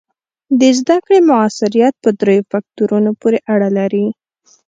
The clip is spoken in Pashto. د زده کړې مؤثریت په دریو فکتورونو پورې اړه لري.